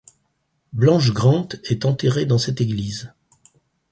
Blanche Grant est enterrée dans cette église.